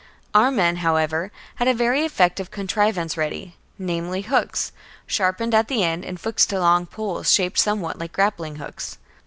Our men, however, had a very effective contrivance ready, — namely, hooks, sharpened at the ends and fixed to long poles, shaped somewhat like grappling hooks.